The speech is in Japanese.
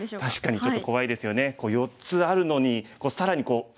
ちょっと怖いですよね。